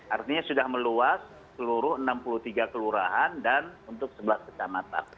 artinya sudah meluas seluruh enam puluh tiga kelurahan dan untuk sebelas kecamatan